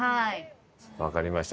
わかりました。